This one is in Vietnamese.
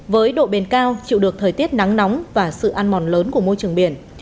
với độ bền cao chịu được thời tiết nắng nóng và sự ăn mòn lớn của môi trường biển